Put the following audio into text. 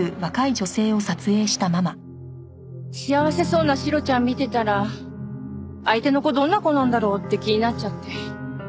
幸せそうなシロちゃん見てたら相手の子どんな子なんだろう？って気になっちゃって。